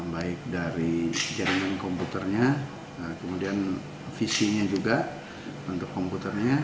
baik dari jaringan komputernya kemudian visinya juga untuk komputernya